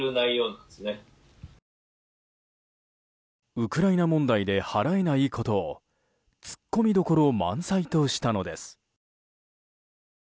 ウクライナ問題で払えないことを突っ込みどころ満載としたのです。